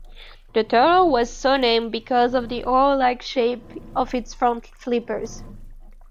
The turtle was so-named because of the oar-like shape of its front flippers.